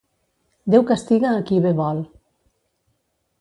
Déu castiga a qui bé vol.